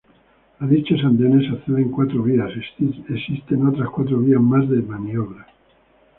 A dichos andenes acceden cuatro vías, existen otras cuatro vías más de maniobras.